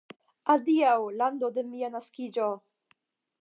Adiaŭ, lando de mia naskiĝo!